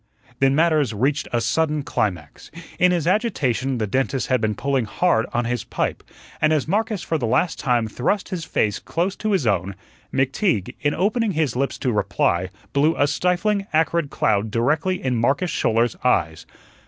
Then matters reached a sudden climax. In his agitation the dentist had been pulling hard on his pipe, and as Marcus for the last time thrust his face close to his own, McTeague, in opening his lips to reply, blew a stifling, acrid cloud directly in Marcus Schouler's eyes.